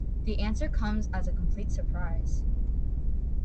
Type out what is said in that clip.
The answer comes as a complete surprise.